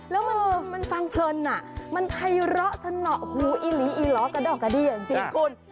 แล้วมันมันมันฟังเพลินน่ะมันใครรอสนอกกูอีหลีอีหลอกกะดอกกะดี้อย่างจริงคุณ